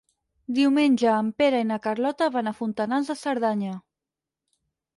Diumenge en Pere i na Carlota van a Fontanals de Cerdanya.